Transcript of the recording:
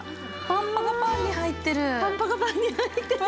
パンパカパンに入ってる！